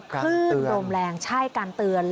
คลื่นลมแรงใช่การเตือน